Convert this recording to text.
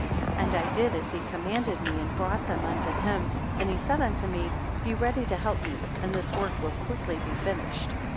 87 And I did as he commanded me, and brought them unto him and he said unto me, Be ready to help me, and this work will quickly be finished.